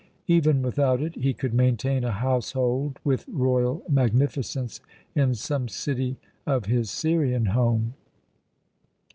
Even without it, he could maintain a household with royal magnificence in some city of his Syrian home.